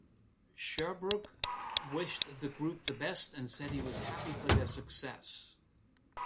Sherbrooke wished the group the best and said he was happy for their success.